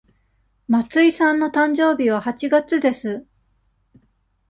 松井さんの誕生日は八月です。